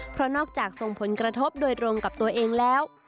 เพราะนอกจากส่งผลกระทบโดยตรงกับตัวเองแล้ว